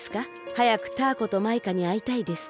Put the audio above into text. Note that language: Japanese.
はやくタアコとマイカにあいたいです。